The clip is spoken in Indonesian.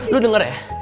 lu denger ya